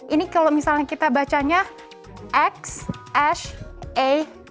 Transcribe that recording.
ini kalau misalnya kita bacanya x ash a dua belas